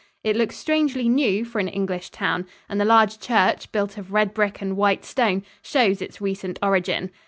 It looks strangely new for an English town, and the large church, built of red brick and white stone, shows its recent origin.